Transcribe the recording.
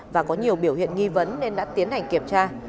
và có nhiều biểu hiện nghi vấn nên đã tiến hành kiểm tra